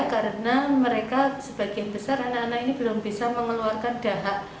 karena mereka sebagian besar anak anak ini belum bisa mengeluarkan dahak